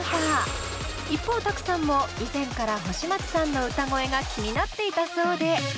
一方ＴＡＫＵさんも以前から星街さんの歌声が気になっていたそうで。